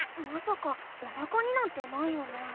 まさかおなかになんてないよね？